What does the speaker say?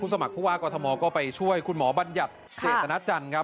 สมัครผู้ว่ากอทมก็ไปช่วยคุณหมอบัญญัติเจตนาจันทร์ครับ